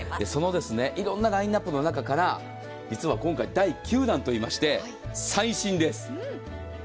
いろんなラインナップの中から実は今回、第９弾といいまして最新です。